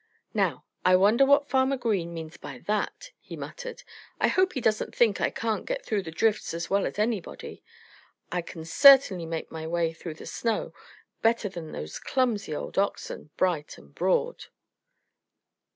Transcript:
"Now, I wonder what Farmer Green means by that," he muttered. "I hope he doesn't think I can't get through the drifts as well as anybody. I can certainly make my way through the snow better than those clumsy old oxen, Bright and Broad."